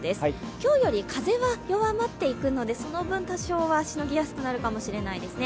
今日より風は弱まっていくので、その分、多少はしのぎやすくなるかもしれないですね。